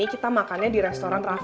aku mau makan di restoran raffles